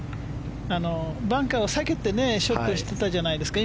バンカーを避けてショットしてたじゃないですか。